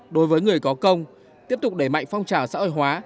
đối với người có công tiếp tục đẩy mạnh phong trào xã hội hóa